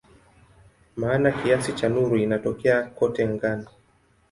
Maana kiasi cha nuru inatokea kote angani.